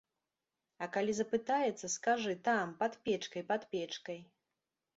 А калі запытаецца, скажы, там, пад печкай, пад печкай.